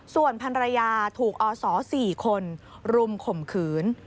ส่วนพันรยาถูกอศ๔คนรุมข่มขืน